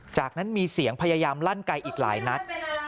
จากนั้นมีเสียงพยายามลั่นไกลอีกหลายนัด